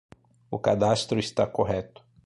O cadastro está correto